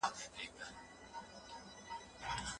افغان کارګران د ډیرو بهرنیو سفارتونو خدمتونه نه لري.